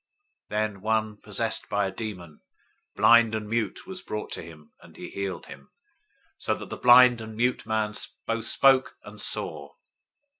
"{Isaiah 42:1 4} 012:022 Then one possessed by a demon, blind and mute, was brought to him and he healed him, so that the blind and mute man both spoke and saw.